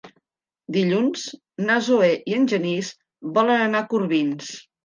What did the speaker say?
Dilluns na Zoè i en Genís volen anar a Corbins.